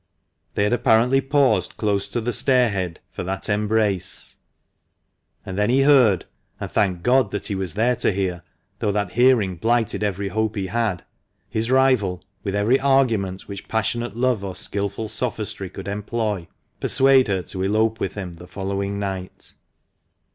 They had apparently paused close to the stair head for that embrace ; and then he heard — and thanked God that he was there to hear, though that hearing blighted every hope he had — his rival, with every argument which passionate 346 THE MANCHESTER MAN. love or skilful sophistry could employ, persuade her to elope with him the following night.